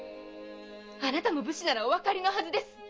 あなたも武士ならおわかりのはずです！